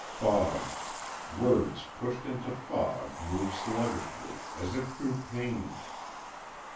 Fog words pushed into fog move sluggishly, as if through pain.